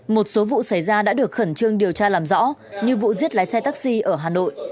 một số vụ xảy ra đã được khẩn trương điều tra làm rõ như vụ giết lái xe taxi ở hà nội